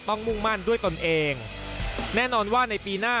มุ่งมั่นด้วยตนเองแน่นอนว่าในปีหน้า